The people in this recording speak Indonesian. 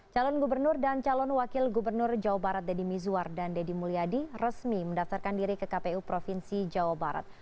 calon gubernur dan calon wakil gubernur jawa barat deddy mizwar dan deddy mulyadi resmi mendaftarkan diri ke kpu provinsi jawa barat